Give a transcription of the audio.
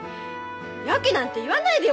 ヤケなんて言わないでよ